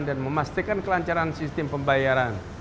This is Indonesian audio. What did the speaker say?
memastikan kelancaran sistem pembayaran